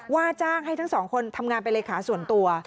ว่าจ้างให้ทั้งสองคนทำงานเป็นเลขาส่วนตัว